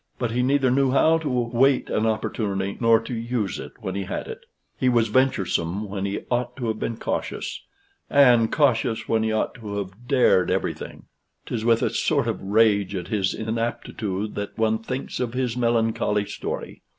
But he neither knew how to wait an opportunity, nor to use it when he had it; he was venturesome when he ought to have been cautious, and cautious when he ought to have dared everything. 'Tis with a sort of rage at his inaptitude that one thinks of his melancholy story.